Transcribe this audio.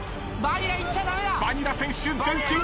バニラ選手。